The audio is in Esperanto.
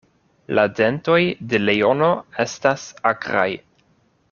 La dentoj de leono estas akraj.